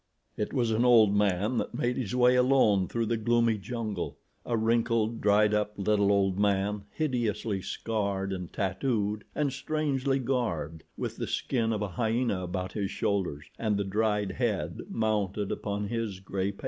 It was an old man that made his way alone through the gloomy jungle, a wrinkled, dried up, little old man hideously scarred and tattooed and strangely garbed, with the skin of a hyena about his shoulders and the dried head mounted upon his grey pate.